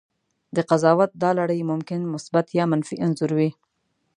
د قضاوت دا لړۍ ممکن مثبت یا منفي انځور وي.